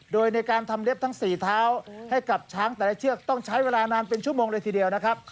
โดยในการทำเล็บทั้ง๔เท้าให้กับช้างแต่ละเชือกต้องใช้เวลานานเป็นชั่วโมงเลยทีเดียวนะครับ